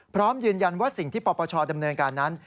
พร้อมยืนยันว่าสิ่งที่ปปชดำเนินการนั้น